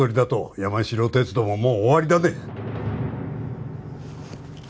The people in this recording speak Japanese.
山城鉄道ももう終わりだね